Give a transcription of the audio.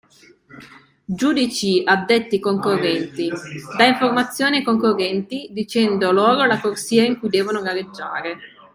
Giudici addetti ai concorrenti: dà informazioni ai concorrenti, dicendo loro la corsia in cui devono gareggiare